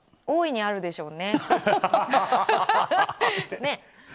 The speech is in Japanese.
大いにあるでしょうね。